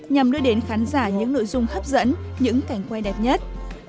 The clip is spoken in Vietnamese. nhằm đưa đến khán giả những nội dung hấp dẫn những cảnh quay đẹp nhất